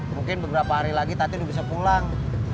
mungkin beberapa hari lagi tati udah bisa pulang